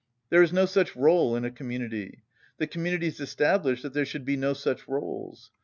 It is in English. There is no such rôle in a community. The community is established that there should be no such rôles.